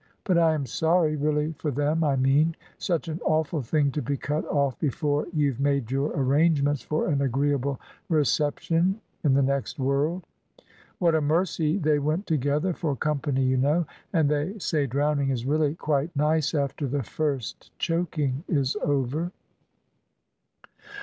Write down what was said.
But I am sorry really for them, I mean. Such an awful thing to be cut off before you've made your arrangements for an agreeable reception in the next world. What a mercy they went together for company, you know; and they say drowning is really quite nice after the first choking is over."